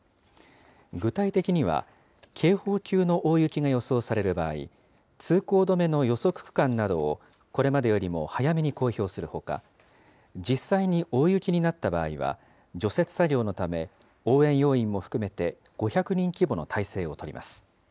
具体的には、警報級の大雪が予想される場合、通行止めの予測区間などをこれまでよりも早めに公表するほか、実際に大雪になった場合は、除雪作業のため、応援要員も含めて５００人規模の態勢を取ります。